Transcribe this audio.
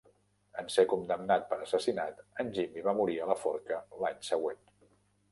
En ser condemnat per assassinat, en Jimmy va morir a la forca l'any següent.